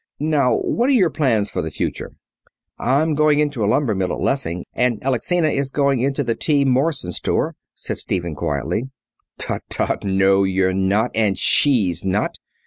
Now, what are your plans for the future?" "I'm going into a lumber mill at Lessing and Alexina is going into the T. Morson store," said Stephen quietly. "Tut, tut, no, you're not. And she's not.